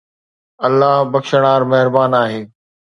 الله بخشڻھار مھربان آھي